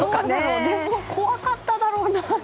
怖かっただろうな。